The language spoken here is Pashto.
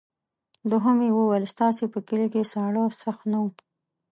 دوهم یې وویل ستاسې په کلي کې ساړه سخت نه وو.